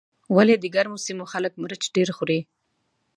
ولې د ګرمو سیمو خلک مرچ ډېر خوري.